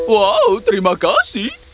wow terima kasih